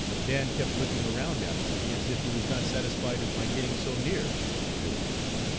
Dan kept looking around after me as if he was not satisfied at my getting so near to the door.